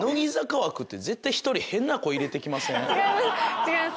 違います